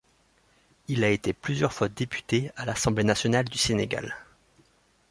Il a été plusieurs fois député à l'assemblée nationale du Sénégal.